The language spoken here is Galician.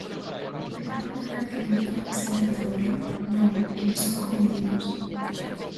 Pero non me vale que me diga, señora Zobra: non, é que son coñecidos.